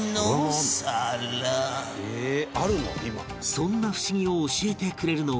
そんなふしぎを教えてくれるのは